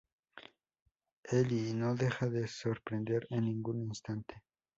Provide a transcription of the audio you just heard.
Ely no deja de sorprender en ningún instante.